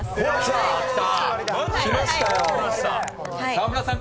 沢村さん